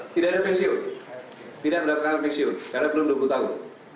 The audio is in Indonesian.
tidak ada pensiun tidak mendapatkan pensiun karena belum dua puluh tahun